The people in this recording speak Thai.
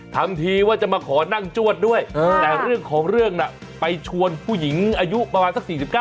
ทำทีว่าจะมาขอนั่งจวดด้วยแต่เรื่องของเรื่องน่ะไปชวนผู้หญิงอายุประมาณสัก๔๙